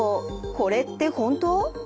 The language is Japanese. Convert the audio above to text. これって本当？